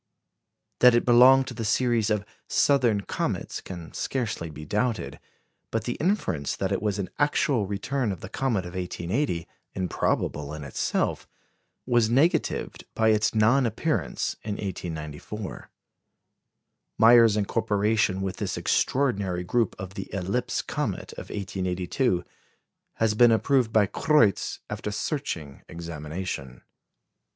That it belonged to the series of "southern comets" can scarcely be doubted; but the inference that it was an actual return of the comet of 1880, improbable in itself, was negatived by its non appearance in 1894. Meyer's incorporation with this extraordinary group of the "eclipse comet" of 1882 has been approved by Kreutz, after searching examination.